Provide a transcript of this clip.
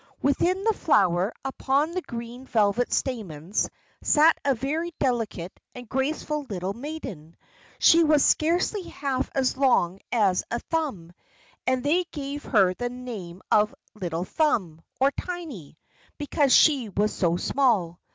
Within the flower, upon the green velvet stamens, sat a very delicate and graceful little maiden. She was scarcely half as long as a thumb, and they gave her the name of "Little Thumb," or Tiny, because she was so small.